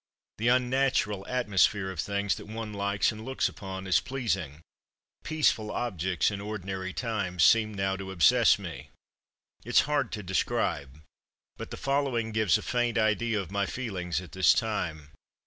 The unnatural atmosphere of things that one likes and looks upon as pleasing, peaceful objects in ordinary times, seemed now to obsess me. It's hard to describe; but the following gives a faint idea of my feelings at this time.